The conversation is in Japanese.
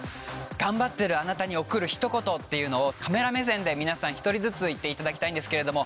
頑張ってるあなたに送るひと言っていうのをカメラ目線で皆さん１人ずつ言っていただきたいんですけれども。